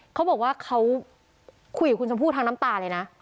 เขาบอกว่าเขาคุยกับคุณชมพู่ทางน้ำตาเลยนะ